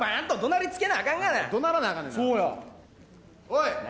おい。